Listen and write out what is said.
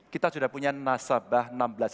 kita sudah punya nasabah enam belas